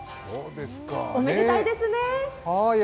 おめでたいですね。